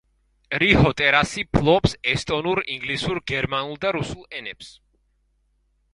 რიჰო ტერასი ფლობს ესტონურ, ინგლისურ, გერმანულ და რუსულ ენებს.